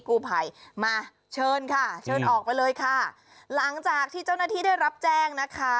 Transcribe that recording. ออกไปเลยค่ะหลังจากที่เจ้าหน้าที่ได้รับแจ้งนะคะ